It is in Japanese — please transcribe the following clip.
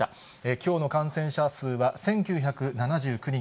きょうの感染者数は１９７９人。